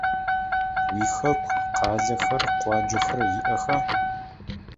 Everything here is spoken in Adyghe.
Уихэку къалэхэр, къуаджэхэр иӏэха?